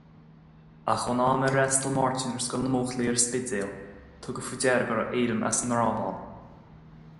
Ach ón am ar fhreastail Máirtín ar Scoil na mBuachaillí ar an Spidéal, tugadh faoi deara go raibh éirim as an ngnáth ann.